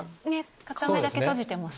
片目だけ閉じてます。